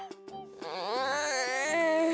うん。